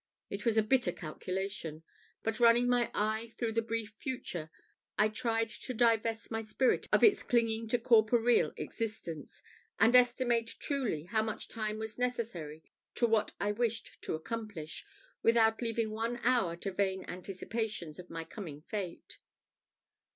It was a bitter calculation, but running my eye through the brief future, I tried to divest my spirit of its clinging to corporeal existence, and estimate truly how much time was necessary to what I wished to accomplish, without leaving one hour to vain anticipations of my coming fate.